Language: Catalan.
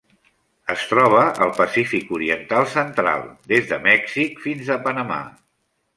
Es troba al Pacífic oriental central: des de Mèxic fins a Panamà.